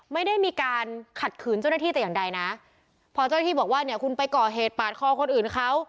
ไม่ได้มีการขัดขืนเจ้าหน้าที่แต่อย่างใดนะพอเจ้าหน้าที่บอกว่าเนี่ยคุณไปก่อเหตุปาดคอคนอื่นเขา